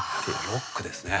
ロックですね。